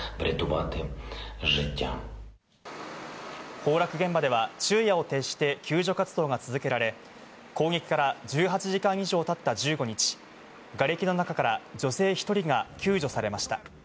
崩落現場では昼夜を徹して救助活動が続けられ、攻撃から１８時間以上たった１５日、がれきの中から女性１人が救助されました。